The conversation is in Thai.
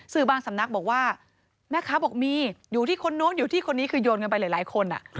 สื่อบางสำนักบอกว่ามีอยู่ที่คนนู้นอยู่ที่คนนี้คือยนไปหลายคน